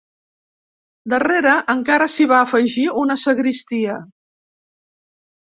Darrere encara s'hi va afegir una sagristia.